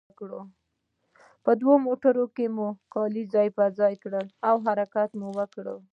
په دوو موټرونو کې مو کالي ځای پر ځای کړل او حرکت مو وکړ.